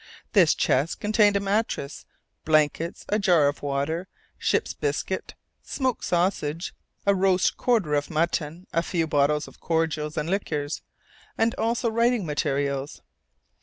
This chest contained a mattress, blankets, a jar of water, ship's biscuit, smoked sausage, a roast quarter of mutton, a few bottles of cordials and liqueurs, and also writing materials.